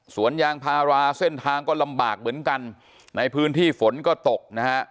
สวนยางพาราเส้นทางก็ลำบากเหมือนกันในพื้นที่ฝนก็ตกนะฮะ